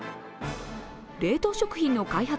冷凍食品の開発